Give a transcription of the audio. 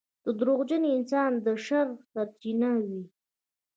• دروغجن انسان د شر سرچینه وي.